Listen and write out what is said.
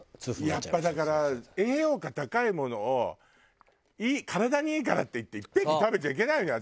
やっぱだから栄養価高いものを体にいいからっていっていっぺんに食べちゃいけないのよ。